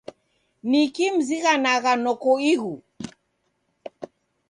Niki mzighanagha noko ighu?